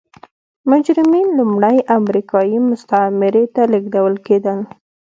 مجرمین لومړی امریکايي مستعمرې ته لېږدول کېدل.